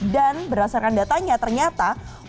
dan berdasarkan datanya ternyata